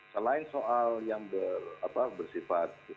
selain soal yang bersifat